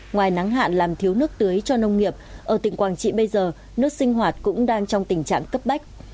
ngoài nắng hạn làm thiếu nước tưới cho nông nghiệp ở tỉnh quảng trị bây giờ nước sinh hoạt cũng đang trong tình trạng cấp bách